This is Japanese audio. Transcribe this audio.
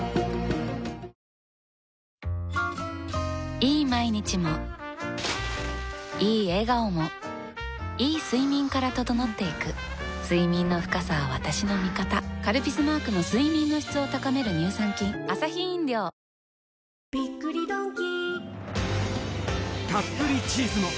いい毎日もいい笑顔もいい睡眠から整っていく睡眠の深さは私の味方「カルピス」マークの睡眠の質を高める乳酸菌叫びたくなる緑茶ってなんだ？